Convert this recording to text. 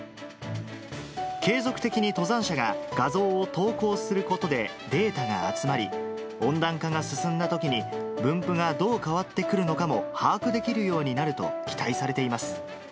継続的に登山者が画像を投稿することでデータが集まり、温暖化が進んだときに、分布がどう変わってくるかも把握できるようになると期待されています。